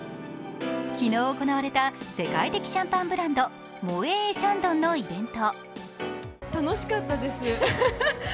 昨日行われた世界的シャンパンブランドモエ・エ・シャンドンのイベント。